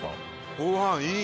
ご飯いい！